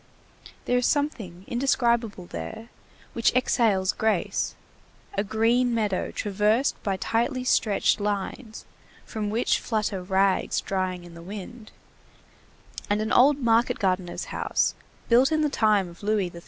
There is something indescribable there which exhales grace, a green meadow traversed by tightly stretched lines, from which flutter rags drying in the wind, and an old market gardener's house, built in the time of Louis XIII.